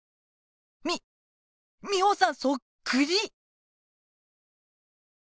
ミミホさんそっくり！